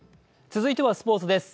続いてはスポーツです。